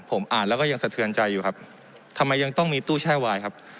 ผมอ่านแล้วก็ยังสะเทือนใจอยู่ครับทำไมยังต้องมีตู้แช่วายครับ